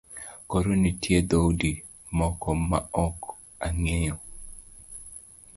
Koro nitie dhoudi moko maok angeyo